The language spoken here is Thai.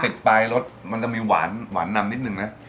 ปลายรสมันจะมีหวานนำนิดนึงนะ